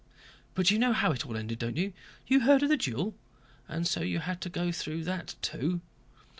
"But you know how it all ended, don't you? You heard of the duel?" "And so you had to go through that too!"